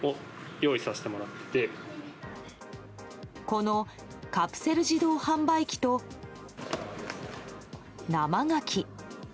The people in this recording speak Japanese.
このカプセル自動販売機と生ガキ。